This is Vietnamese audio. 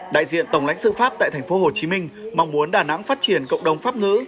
đại diện tổng lãnh sự pháp tại tp hcm mong muốn đà nẵng phát triển cộng đồng pháp ngữ